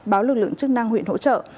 báo lực lượng chức năng huyện hỗ trợ